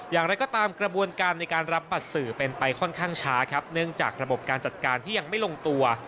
อย่างไรก็ตามกระบวนการในการรับบัตรสื่อเป็นไปค่อนข้างช้าครับเนื่องจากระบบการจัดการที่ยังไม่ลงตัว